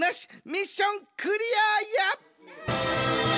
ミッションクリアや！